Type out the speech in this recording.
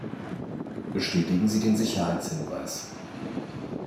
Bestätigen Sie den Sicherheitshinweis.